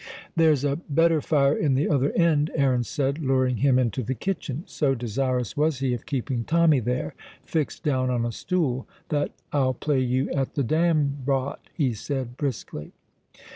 "There's a better fire in the other end," Aaron said, luring him into the kitchen. So desirous was he of keeping Tommy there, fixed down on a stool, that "I'll play you at the dambrod," he said briskly.